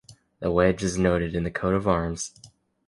The wedge is noted in the coat of arms.